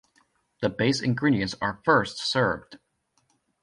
The base ingredients are first served.